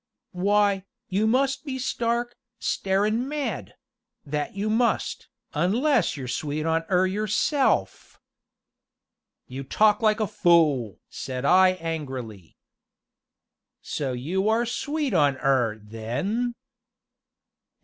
"No!" "W'y, you must be stark, starin' mad that you must unless you're sweet on 'er yourself " "You talk like a fool!" said I angrily. "So you are sweet on 'er then?"